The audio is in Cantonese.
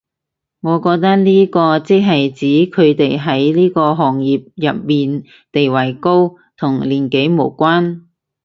我覺得呢個即係指佢哋喺呢個行業入面地位高，同年紀無關